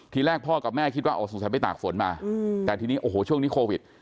ทีแรกพ่อกับแม่คิดว่าอ๋อสงสัยไปตากฝนมาแต่ทีนี้โอ้โหช่วงนี้โควิด